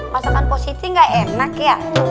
masakan positif gak enak ya